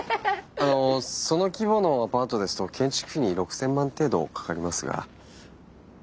あのその規模のアパートですと建築費に６，０００万程度かかりますが資金の方は？